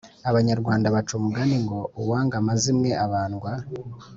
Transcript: abanyarwanda baca umugani ngo 'uwanga amazimwe abandwa